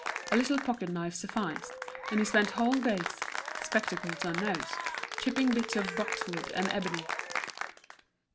A little pocket knife sufficed, and he spent whole days, spectacles on nose, chipping bits of boxwood and ebony.